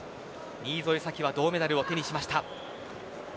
新添左季は銅メダルを手にしました。